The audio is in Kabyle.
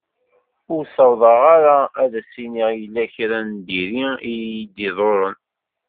Ur sawḍeɣ ara ad as-iniɣ yella kra n diri iyi-d-iḍerrun.